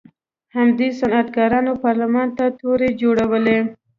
همدې صنعتکارانو پارلمان ته تورې جوړولې.